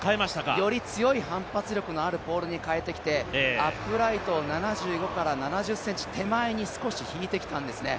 より強い反発力のあるポールに変えてきて、アップライトを７０ｃｍから７５ｃｍ少し手前に引いてきたんですね。